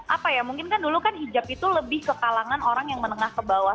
apa ya mungkin kan dulu kan hijab itu lebih ke kalangan orang yang menengah ke bawah